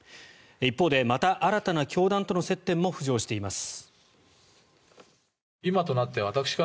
一方でまた新たな教団との接点も浮上しています。